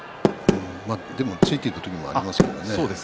でも突いていく時もありますよ。